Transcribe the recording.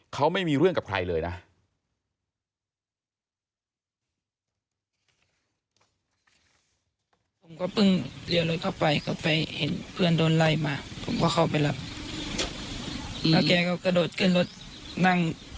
เขาไม่มีเรื่องกับใครเลยนะ